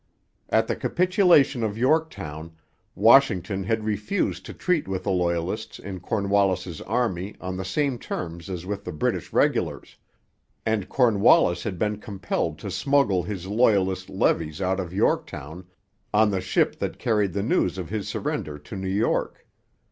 At the capitulation of Yorktown, Washington had refused to treat with the Loyalists in Cornwallis's army on the same terms as with the British regulars; and Cornwallis had been compelled to smuggle his Loyalist levies out of Yorktown on the ship that carried the news of his surrender to New York.